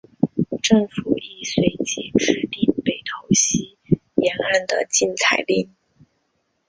政府亦随即制定北投溪沿岸的禁采令。